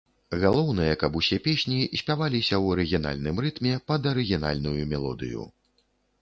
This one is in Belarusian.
Галоўнае, каб усе песні спяваліся ў арыгінальным рытме пад арыгінальную мелодыю.